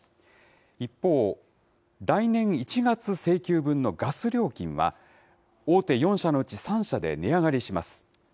一方、来年１月請求分のガス料金は、大手４社のうち３社で値上がりします。